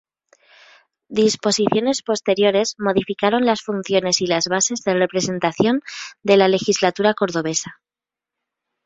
Disposiciones posteriores modificaron las funciones y las bases de representación de la Legislatura cordobesa.